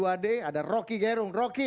ada rocky gerung rocky